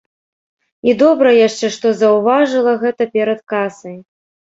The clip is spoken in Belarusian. І добра яшчэ, што заўважыла гэта перад касай.